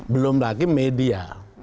belum lagi media